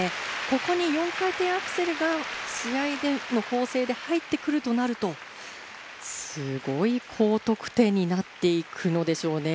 ここに４回転アクセルが試合での構成で入ってくるとなるとすごい高得点になっていくのでしょうね